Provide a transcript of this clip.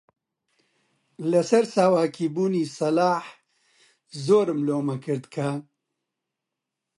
لەسەر ساواکی بوونی سەلاح زۆرم لۆمە کرد کە: